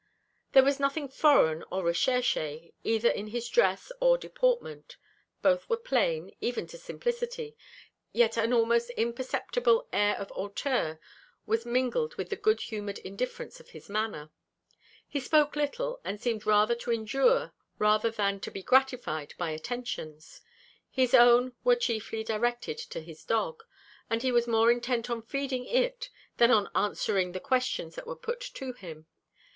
There was nothing foreign or recherché either in his dress or deportment; both were plain, even to simplicity; yet an almost imperceptible air of hauteur was mingled with the good humoured indifference of his manner. He spoke little, and seemed rather to endure than to be gratified by attentions; his own were chiefly directed to his dog, as he was more intent on feeding it than on answering the questions that were put to him.